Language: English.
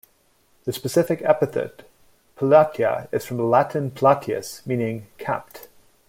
The specific epithet "pileata" is from the Latin "pileatus" meaning "-capped".